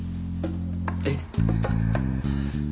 えっ？